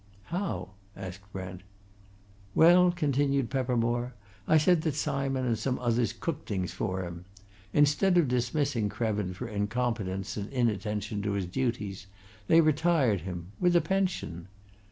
"How?" asked Brent. "Well," continued Peppermore, "I said that Simon and some others cooked things for him. Instead of dismissing Krevin for incompetence and inattention to his duties, they retired him with a pension.